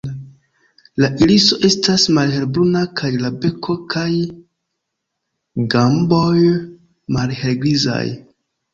La iriso estas malhelbruna kaj la beko kaj gamboj malhelgrizaj.